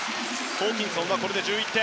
ホーキンソンはこれで１１点。